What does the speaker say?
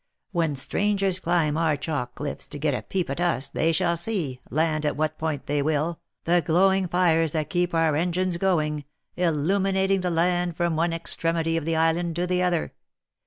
When strangers climb our chalk cliffs to get OF MICHAEL ARMSTRONG. 119 a peep at us, they shall see, land at what point they will, the glowing fires that keep our engines going, illuminating the land from one extre mity of the island to the other